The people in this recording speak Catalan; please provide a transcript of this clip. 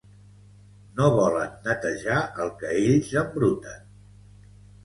No volen netejar el que ells embruten